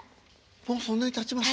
もうそんなにたちました？